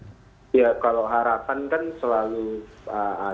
ya kalau harapan kan selalu ada